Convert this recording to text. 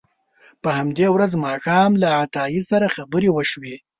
په همدې ورځ ماښام له عطایي سره خبرې وشوې.